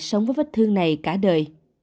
hãy nghĩ đến việc gia đình họ có thể trả lời